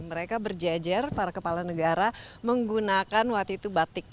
mereka berjejer para kepala negara menggunakan waktu itu batik